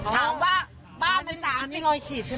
ถามว่าบ้านมัน๓๐ปี